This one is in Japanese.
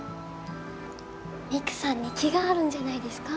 美久さんに気があるんじゃないですか？